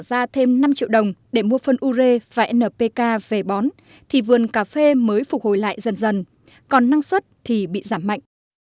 giá thêm năm triệu đồng để mua phân u rê và npk về bón thì vườn cà phê mới phục hồi lại dần dần còn năng suất thì bị giảm mạnh